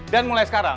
dan mulai sekarang